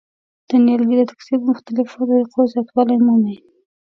دا نیالګي د تکثیر په مختلفو طریقو زیاتوالی مومي.